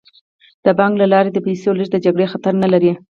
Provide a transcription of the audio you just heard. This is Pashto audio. د بانک له لارې د پیسو لیږد د جګړې خطر نه لري.